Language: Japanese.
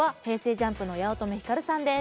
ＪＵＭＰの八乙女光さんです。